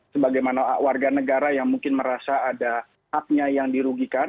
sebagaimana warga negara yang mungkin merasa ada haknya yang dirugikan